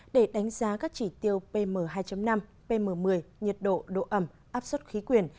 để đánh giá các chỉ tiêu pm hai năm pm một mươi nhiệt độ độ ẩm áp suất khí quyền